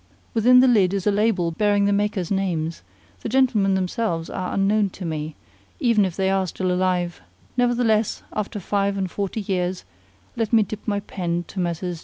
Within the lid is a label bearing the makers' names; the gentlemen themselves are unknown to me, even if they are still alive; nevertheless, after five and forty years, let me dip my pen to Messrs.